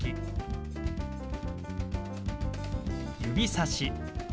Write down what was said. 指さし。